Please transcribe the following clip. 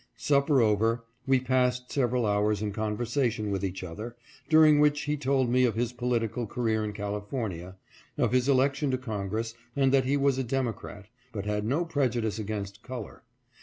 Supper over, we passed several hours in conversation with each other, during which he told me of his political career in California, of his election to Congress, and that he was a Democrat, but had no prejudice against color.